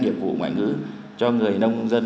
nhiệm vụ ngoại ngữ cho người nông dân